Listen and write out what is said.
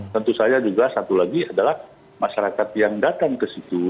tentu saja juga satu lagi adalah masyarakat yang datang ke situ